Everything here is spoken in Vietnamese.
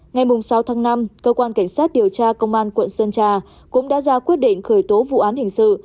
ngày sáu tháng năm cơ quan cảnh sát điều tra công an quận sơn trà cũng đã ra quyết định khởi tố vụ án hình sự